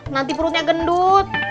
nanti perutnya gendut